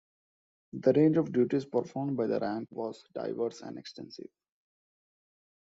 The range of duties performed by the rank was diverse and extensive.